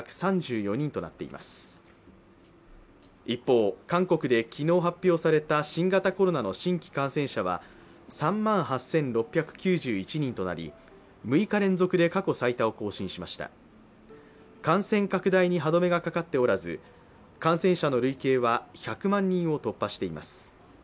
一方、韓国で昨日発表された新型コロナの新規感染者は、３万８６９１人となり、６日連続で過去最多を更新しました感染拡大に歯止めがかかっておらず感染者の累計は１００万人を突破しています。